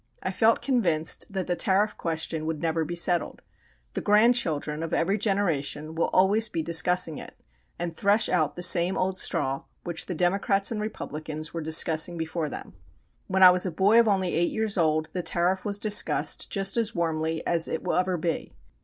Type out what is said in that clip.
I felt convinced that the tariff question would never be settled. The grandchildren of every generation will always be discussing it, and thresh out the same old straw which the Democrats and Republicans were discussing before them. When I was a boy only eight years old the tariff was discussed just as warmly as it will ever be.